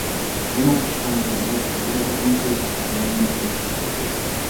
ئۇنىڭ ئىشخانىسى ۋە تەجرىبىخانىسى كىتابلار بىلەن توشۇپ كەتتى.